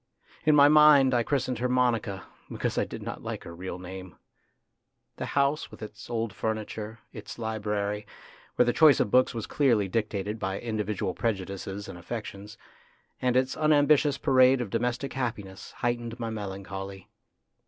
In my mind I christened her Monica, because I did not like her real name. The house, with its old furniture, its library, where the choice of books was clearly dictated by individual prejudices and affections, and its unambitious parade of domestic happiness, heightened my melancholy.